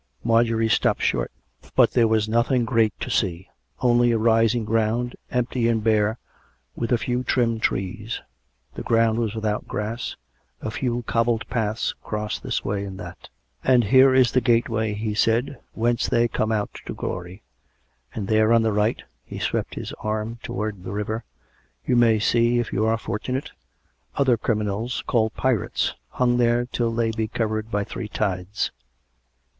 Marjorie stopped short. But there was nothing great to see — only a rising ground, empty and bare, with a few trimmed trees ; the ground was without grass ; a few cobbled paths cros'sed this way and that. " And here is the gateway," he said, " whence they come out to glory. ... And there on the right " (he swept his arm towards the river) " you may see, if you are fortunate, other criminals called pirates, hung there till they be cov ered by three tides."